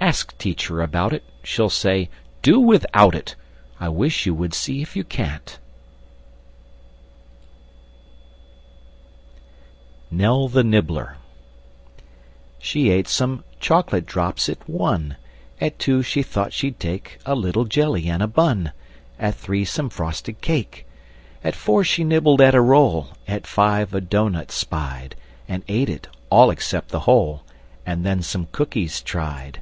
Ask Teacher about it: She'll say, "Do without it!" I wish you would see if you can't! [Illustration: Nell the Nibbler] NELL THE NIBBLER She ate some chocolate drops at 1, At 2, she thought she'd take A little jelly and a bun; At 3, some frosted cake. At 4, she nibbled at a roll; At 5, a doughnut spied, And ate it (all except the hole), And then some cookies tried.